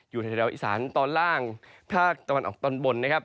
อยู่ในแถวอีสานตอนล่างภาคตะวันออกตอนบนนะครับ